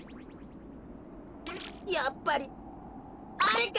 やっぱりあれか！